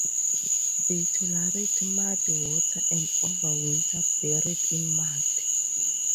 They tolerate muddy water and overwinter buried in mud.